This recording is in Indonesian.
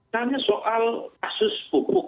hanya soal kasus pupuk